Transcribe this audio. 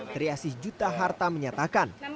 triasi juta harta menyatakan